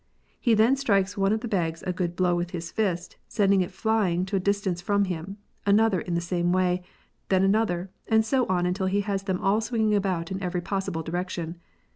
He then strikes one of the bags a good blow with his fist, sending it flying to a distance from him, another in the same way, then another, and so on until he has them all swinging about in every possible direction.